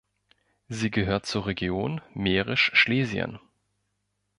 Sie gehört zur Region Mährisch-Schlesien.